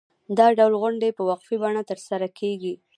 دا ډول غونډې په وقفې بڼه ترسره کېږي.